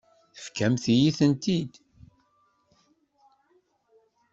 Tefkamt-iyi-ten-id.